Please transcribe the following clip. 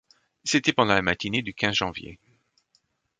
C’était pendant la matinée du quinze janvier.